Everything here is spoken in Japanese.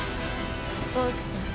オークさん。